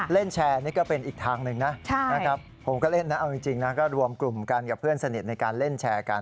เล่นแชร์นี่ก็เป็นอีกทางหนึ่งนะนะครับผมก็เล่นนะเอาจริงนะก็รวมกลุ่มกันกับเพื่อนสนิทในการเล่นแชร์กัน